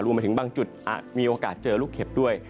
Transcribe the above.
มาถึงบางจุดอาจมีโอกาสเจอลูกเห็บด้วย